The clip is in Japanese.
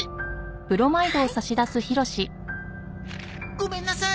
ごめんなさい。